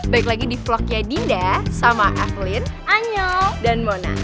baik lagi di vlognya dinda sama evelyn anyel dan mona